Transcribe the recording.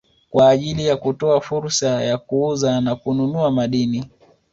kwa ajili ya kutoa fursa ya kuuza na kununua madini